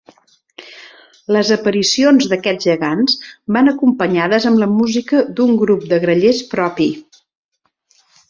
Les aparicions d'aquests gegants van acompanyades amb la música d'un grup de grallers propi.